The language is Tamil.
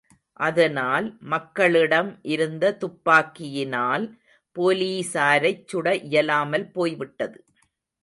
அதனால் மக்களிடம் இருந்ததுப்பாக்கியினால் போலீஸாரைச் சுட இயலாமல் போய்விட்டது.